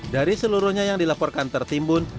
dari seluruhnya yang dilaporkan tertimbun